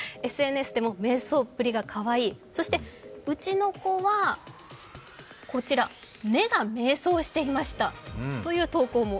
ＳＮＳでも迷走っぷりがかわいい、そしてうちの子は、「ね」が迷走していましたという投稿も。